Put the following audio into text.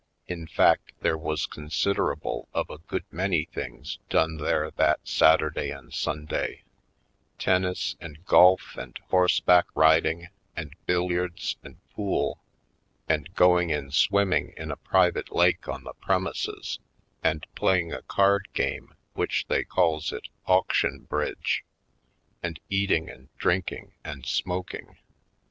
In fact, there was considerable of a good many things done there that Saturday and Sunday — tennis and golf and horseback rid ing and billiards and pool and going in swimming in a private lake on the premises and playing a card game which they calls it auction bridge, and eating and drinking and smoking.